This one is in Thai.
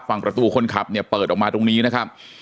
ฝั่งประตูคนขับเนี่ยเปิดออกมาตรงนี้นะครับ